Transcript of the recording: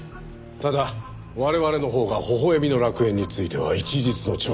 ただ我々のほうが微笑みの楽園については一日の長がある。